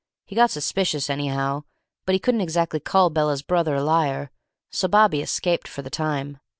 He got suspicious, anyhow, but he couldn't exactly call Bella's brother a liar, so Bobby escaped for the time.